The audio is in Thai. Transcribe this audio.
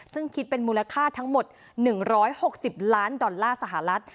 ซึ่งคิดเป็นมูลค่าทั้งหมด๑๖๐ล้านดอลลาร์สหรัฐ